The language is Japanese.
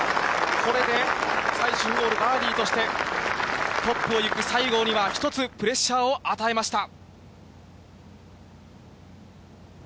これで最終ホール、バーディーとして、トップをゆく西郷には、一つプレッシャーを与えました。